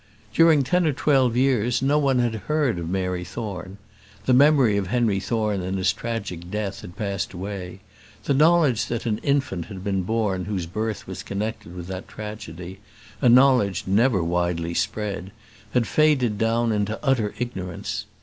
During ten or twelve years no one had heard of Mary Thorne; the memory of Henry Thorne and his tragic death had passed away; the knowledge that an infant had been born whose birth was connected with that tragedy, a knowledge never widely spread, had faded down into utter ignorance.